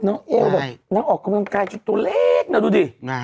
หลังจากออกกำลังการฝ์กูสถานตัวเล็กนะ